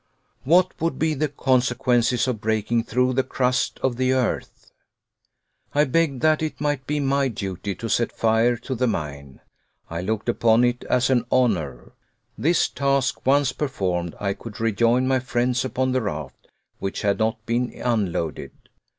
What would be the consequences of breaking through the crust of the earth? I begged that it might be my duty to set fire to the mine. I looked upon it as an honor. This task once performed, I could rejoin my friends upon the raft, which had not been unloaded.